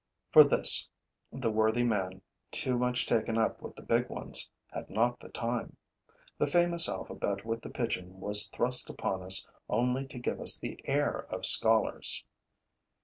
For this, the worthy man, too much taken up with the big ones, had not the time. The famous alphabet with the pigeon was thrust upon us only to give us the air of scholars.